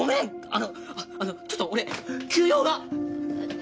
あのちょっと俺急用が！